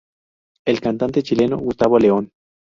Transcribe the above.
El cantante chileno Gustavo León.